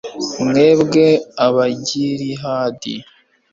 mwebwe abagilihadi